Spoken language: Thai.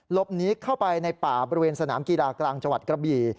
หลบหนีเข้าไปในป่าบริเวณสนามกีฬากลางจกรับหยี่